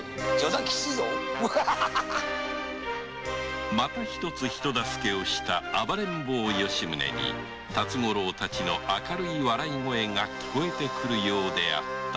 冗談きついぞまた一つ人助けをした暴れん坊・吉宗に辰五郎たちの明るい笑い声が聞こえて来るようであった